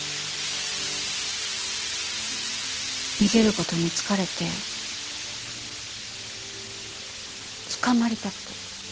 逃げる事に疲れて捕まりたくて。